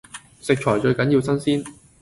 食材最緊要新鮮